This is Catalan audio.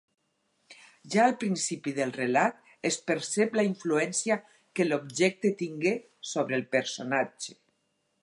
Ja al principi del relat es percep la influència que l'objecte tingué sobre el personatge.